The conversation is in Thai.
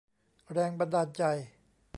แรงบันดาลใจ